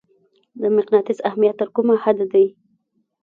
د مقناطیس اهمیت تر کومه حده دی؟